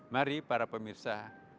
mari para pemirsa